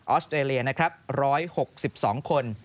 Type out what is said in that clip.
อสเตรเลียนะครับ๑๖๒คน